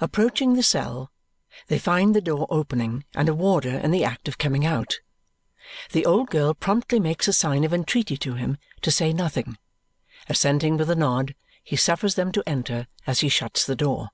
Approaching the cell, they find the door opening and a warder in the act of coming out. The old girl promptly makes a sign of entreaty to him to say nothing; assenting with a nod, he suffers them to enter as he shuts the door.